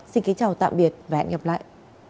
xin kính chào tạm biệt và hẹn gặp lại